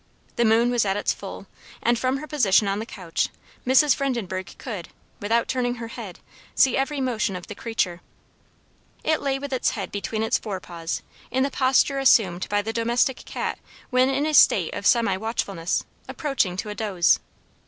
The moon was at its full, and from her position on the couch, Mrs. Vredenbergh could, without turning her head, see every motion of the creature. It lay with its head between its forepaws in the posture assumed by the domestic cat when in a state of semi watchfulness, approaching to a doze.